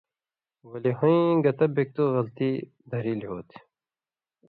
ولے ہُویں گتہ بِگتُک غلطی دھریلیۡ ہو تھی،